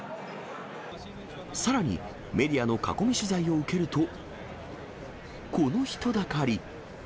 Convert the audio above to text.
さらに、メディアの囲み取材を受けると、この人だかり。